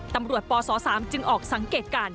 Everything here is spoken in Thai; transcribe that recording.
ตำรวจปศ๓จึงออกสังเกตการ